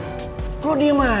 putri sempet ketemu sama pangeran